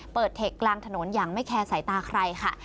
เทคกลางถนนอย่างไม่แคร์สายตาใครค่ะ